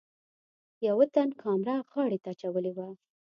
یوه تن کامره غاړې ته اچولې وه.